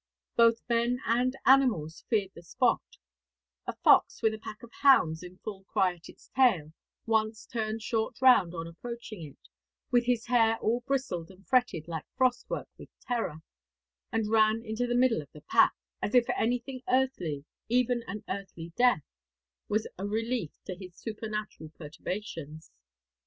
Both men and animals feared the spot: 'A fox, with a pack of hounds in full cry at his tail,' once turned short round on approaching it, 'with his hair all bristled and fretted like frostwork with terror,' and ran into the middle of the pack, 'as if anything earthly even an earthly death was a relief to his supernatural perturbations.'